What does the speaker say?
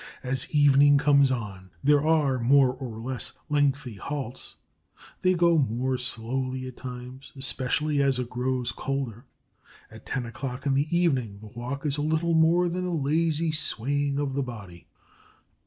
As evening comes on, there are more or less lengthy halts; they go more slowly at times, especially as it grows colder. At ten o'clock in the evening the walk is little more than a lazy swaying of the body.